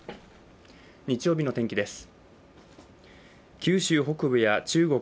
日曜日の天気です。